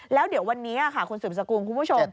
แล้วเดี๋ยววันนี้คุณสูตรพิษกรุงคุณผู้ชม